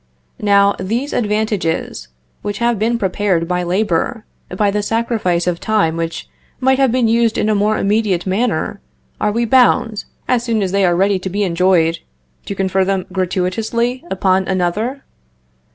Now, these advantages, which have been prepared by labor, by the sacrifice of time which might have been used in a more immediate manner, are we bound, as soon as they are ready to be enjoyed, to confer them gratuitously upon another?